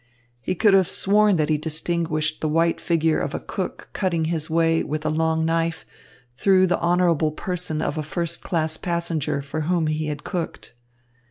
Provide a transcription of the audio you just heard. He could have sworn that he distinguished the white figure of a cook cutting his way, with a long knife, through the honourable person of a first class passenger for whom he had cooked.